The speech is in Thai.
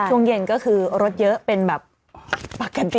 ช่วงเย็นก็คือรถเยอะเป็นแบบปกติ